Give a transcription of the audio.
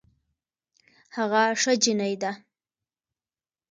هغه ښه جينۍ ده